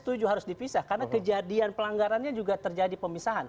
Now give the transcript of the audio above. setuju harus dipisah karena kejadian pelanggarannya juga terjadi pemisahan